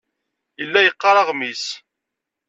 Yella yeqqar aɣmis.